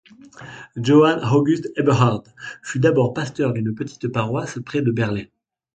Johann August Eberhard fut d’abord pasteur d’une petite paroisse près de Berlin.